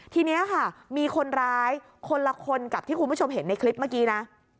ทีนี้ค่ะมีคนร้ายคนละคนกับที่คุณผู้ชมเห็นในคลิปเมื่อกี้นะ